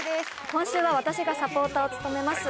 今週は私がサポーターを務めます